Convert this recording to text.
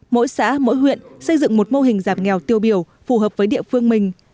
mỗi xã mỗi huyện xây dựng một mô hình giảm nghèo tiêu biểu phù hợp với địa phương mình